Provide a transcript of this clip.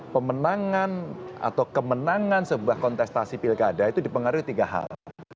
pemenangan atau kemenangan sebuah kontestasi pilkada itu dipengaruhi tiga hal